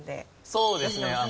そうですね。